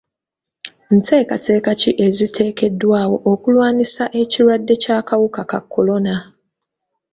Nteekateeka ki eziteekeddwawo okulwanyisa ekirwadde ky'akawuka ka kolona?